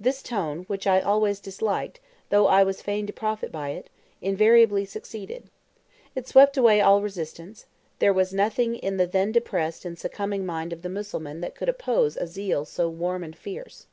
This tone, which I always disliked, though I was fain to profit by it, invariably succeeded. It swept away all resistance; there was nothing in the then depressed and succumbing mind of the Mussulman that could oppose a zeal so warm and fierce.